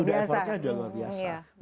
udah effortnya sudah luar biasa